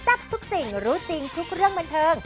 ทับทุกสิ่งรู้จริงทุกเรื่องบันเทิง